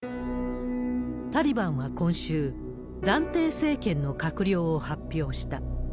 タリバンは今週、暫定政権の閣僚を発表した。